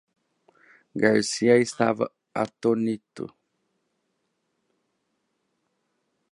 Garcia estava atônito.